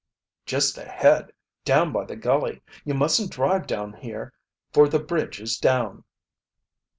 "Just ahead down by the gully. You mustn't drive down here, for the bridge is down."